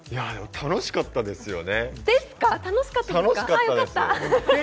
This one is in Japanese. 楽しかったですよね。